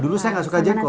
dulu saya gak suka jengkol